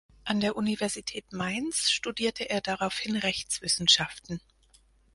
An der Universität Mainz studierte er daraufhin Rechtswissenschaften.